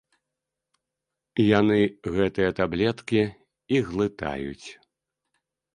Яны гэтыя таблеткі і глытаюць.